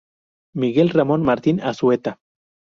Miguel Ramón Martín Azueta.